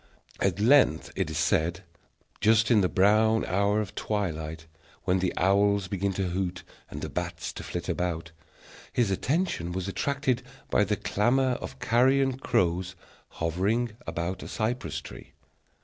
At length, it is said, just in the brown hour of twilight, when the owls began to hoot and the bats to flit about, his attention was attracted by the clamor of carrion crows hovering about a cypress tree.